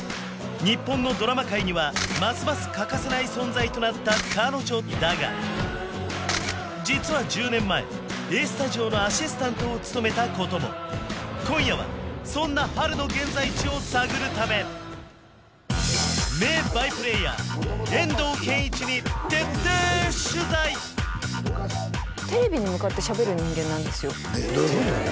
日本のドラマ界にはますます欠かせない存在となった彼女だが実は１０年前「Ａ−Ｓｔｕｄｉｏ」のアシスタントを務めたことも今夜はそんな波瑠の現在地を探るため名バイプレーヤー遠藤憲一に徹底取材どういうこと？